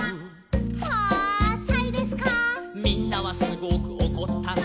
「みんなはすごくおこったの」